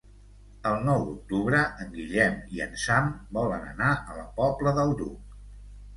El nou d'octubre en Guillem i en Sam volen anar a la Pobla del Duc.